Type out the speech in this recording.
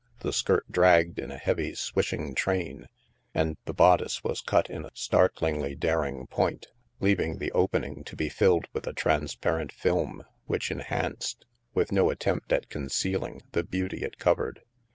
The skirt dragged in a heavy swishing train, and the bodice was cut in a startlingly daring point, leav ing the opening to be filled with a transparent film which enhanced, with no attempt at concealing, the beauty it covered.